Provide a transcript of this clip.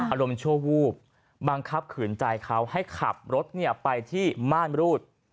อารมณ์ชั่ววูบบังคับขืนใจเขาให้ขับรถไปที่ม่านรูด